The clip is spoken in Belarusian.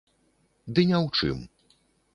Ды не ў чым!